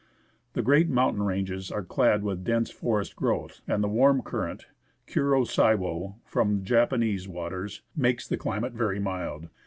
The great mountain ranges are clad with dense forest growth, and the warm current, Kuro Siwo, from Japanese waters, makes the climate very mild.